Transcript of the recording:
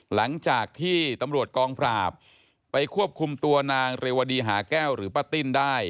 หลังจากที่ตำรวจกองปราบไปควบคุมตัวนางเรวดีหาแก้วหรือป้าติ้นได้